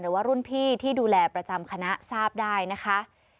หรือว่ารุ่นพี่ที่ดูแลประจำคณะทราบได้นะคะ